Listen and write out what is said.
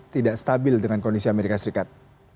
tidak stabil dengan kondisi amerika serikat